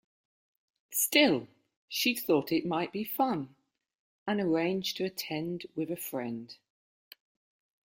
Still, she thought it might be fun, and arranged to attend with a friend.